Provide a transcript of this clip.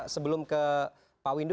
sebelum ke pak windu